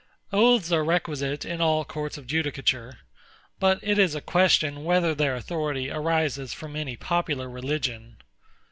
Oaths are requisite in all courts of judicature; but it is a question whether their authority arises from any popular religion.